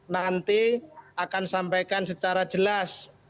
nanti akan sampaikan secara jelas